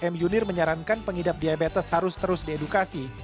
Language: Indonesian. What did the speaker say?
m yunir menyarankan pengidap diabetes harus terus diedukasi